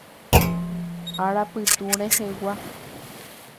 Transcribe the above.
Arapytu rehegua.